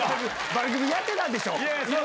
番組やってたんでしょ